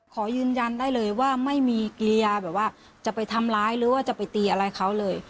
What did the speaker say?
ขอยืนยันได้เลยว่าไม่มีกิริยาแบบว่าจะไปทำร้ายหรือว่าจะไปตีอะไรเขาเลย